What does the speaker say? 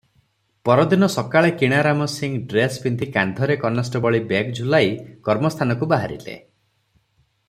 ପରଦିନ ସକାଳେ କିଣାରାମ ସିଂ ଡ୍ରେସ ପିନ୍ଧି କାନ୍ଧରେ କନେଷ୍ଟବଳି ବେଗ୍ ଝୁଲାଇ କର୍ମସ୍ଥାନକୁ ବାହାରିଲେ ।